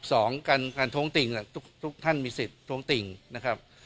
สองการการท้วงติ่งทุกท่านมีสิทธิ์ท้วงติ่งนะครับ